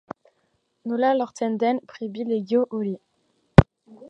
Nola lortzen den pribilegio hori?